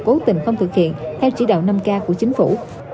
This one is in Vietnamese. cố tình không thực hiện theo chỉ đạo năm k của chính phủ